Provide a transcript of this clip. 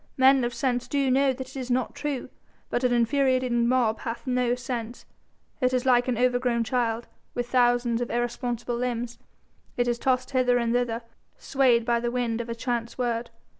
Men of sense do know that it is not true. But an infuriated mob hath no sense. It is like an overgrown child, with thousands of irresponsible limbs. It is tossed hither and thither, swayed by the wind of a chance word.